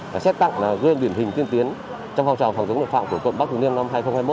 và xét tặng là gương điển hình tiên tiến trong phong trào phòng chống tội phạm của quận bắc thủ liêm năm hai nghìn hai mươi một